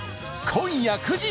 今夜９時。